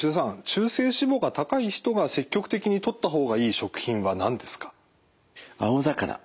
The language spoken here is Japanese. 中性脂肪が高い人が積極的にとった方がいい食品は何ですか？